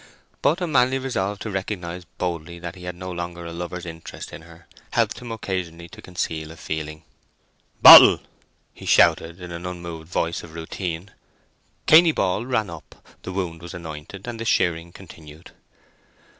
But a manly resolve to recognize boldly that he had no longer a lover's interest in her, helped him occasionally to conceal a feeling. "Bottle!" he shouted, in an unmoved voice of routine. Cainy Ball ran up, the wound was anointed, and the shearing continued.